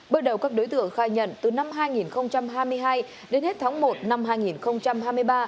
bước đầu các đối tượng khai nhận từ năm hai nghìn hai mươi hai đến hết tháng một năm hai nghìn hai mươi ba